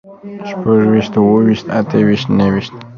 شپږ ويشت، اووه ويشت، اته ويشت، نهه ويشت